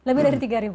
lebih dari tiga ribu